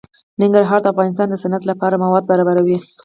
ننګرهار د افغانستان د صنعت لپاره مواد برابروي.